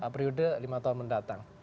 periode lima tahun mendatang